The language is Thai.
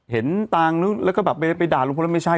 เห็นตังค์แล้วก็แบบไปด่าลุงพลแล้วไม่ใช่